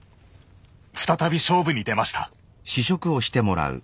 再び勝負に出ました。